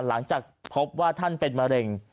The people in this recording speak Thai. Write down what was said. หลังจากพบว่าท่านเป็นมะเร็ง